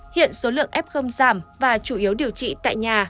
hiện số lượng f giảm và chủ yếu điều trị tại nhà